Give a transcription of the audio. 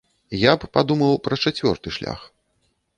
Я б падумаў пра чацвёрты шлях.